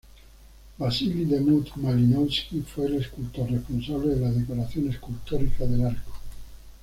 Vasili Demut-Malinovski fue el escultor responsable de la decoración escultórica del arco.